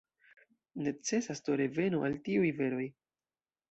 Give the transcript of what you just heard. Necesas do reveno al tiuj veroj.